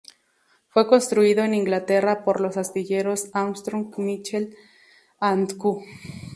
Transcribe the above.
Fue construido en Inglaterra por los astilleros Armstrong Mitchell and Co.